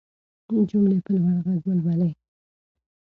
جملې په لوړ غږ ولولئ.